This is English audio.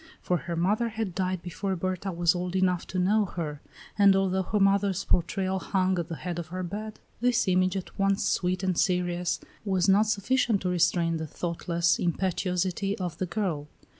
For her mother had died before Berta was old enough to know her; and although her mother's portrait hung at the head of her bed, this image, at once sweet and serious, was not sufficient to restrain the thoughtless impetuosity of the girl.